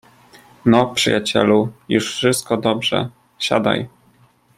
"No, przyjacielu, już wszystko dobrze, siadaj."